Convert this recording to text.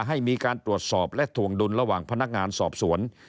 ให้มีการตรวจสอบและถวงดุลระหว่างพนักงานสอบสวน